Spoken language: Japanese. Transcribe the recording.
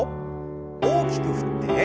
大きく振って。